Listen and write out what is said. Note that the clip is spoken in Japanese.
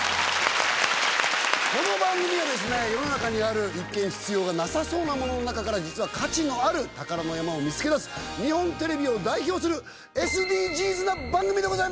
この番組はですね、世の中にある一見必要がなさそうなものの中から、実は価値のある宝の山を見つけ出す、日本テレビを代表するＳＤＧｓな番組です。